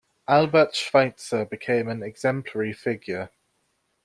Albert Schweitzer became an exemplary figure.